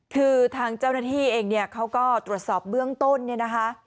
คือทางเจ้าหน้าที่เองเนี่ยเขาก็ตรวจสอบเบื้องต้นเนี่ยนะคะ